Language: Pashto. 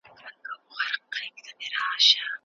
ماشومان به په خپلواکه توګه فکر وکړي.